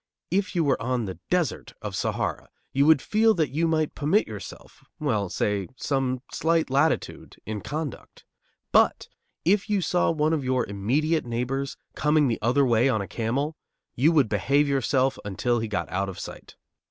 If you were on the desert of Sahara, you would feel that you might permit yourself, well, say, some slight latitude in conduct; but if you saw one of your immediate neighbors coming the other way on a camel, you would behave yourself until he got out of sight.